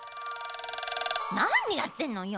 なにやってんのよ。